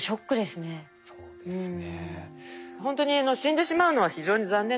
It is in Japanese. そうですね。